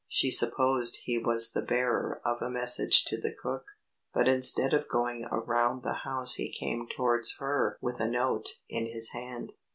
She supposed he was the bearer of a message to the cook, but instead of going around the house he came towards her with a note in his hand.